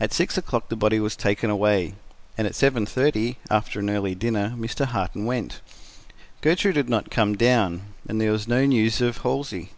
At six o'clock the body was taken away, and at seven thirty, after an early dinner, Mr. Harton went. Gertrude had not come down, and there was no news of Halsey.